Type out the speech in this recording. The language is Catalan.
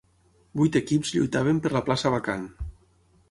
Vuit equips lluitaven per la plaça vacant.